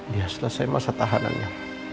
dia selesai masa tahanannya